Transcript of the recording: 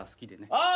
ああ